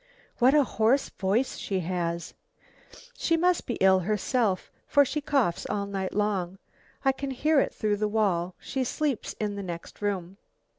"What a hoarse voice she has. She must be ill herself, for she coughs all night long. I can hear it through the wall she sleeps in the next room.